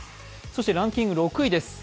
そしてランキング６位です。